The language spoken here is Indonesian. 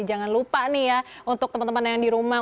jangan lupa nih ya untuk teman teman yang di rumah